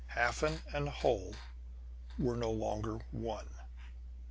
Hafen and Holl were no longer one!